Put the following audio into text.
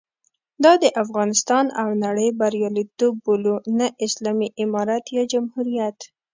دا د افغانستان او نړۍ بریالیتوب بولو، نه اسلامي امارت یا جمهوریت.